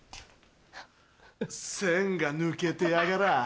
線が抜けてやがらぁ。